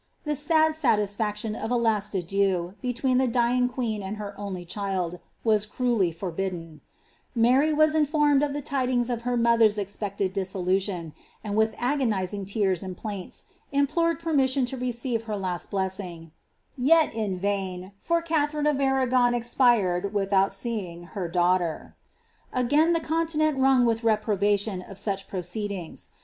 The sad satisfaction, 9ieu between the dying queen and her only child, was cruelly Mary was informed of the tidings of her mother's expeetcti I, and with agonising tears and plaints implored permission to r last blessing;' yet in vain, for Katharine of Arragon expired eing her daughter. Again the continent rung with reprol^tion t>ceedings.